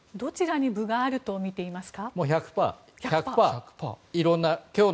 どちらに分があると思いますか？